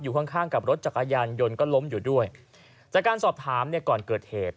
ข้างข้างกับรถจักรยานยนต์ก็ล้มอยู่ด้วยจากการสอบถามเนี่ยก่อนเกิดเหตุ